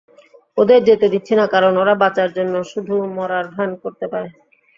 ওদের যেতে দিচ্ছি না কারণ ওরা বাঁচার জন্য শুধু মরার ভান করতে পারে।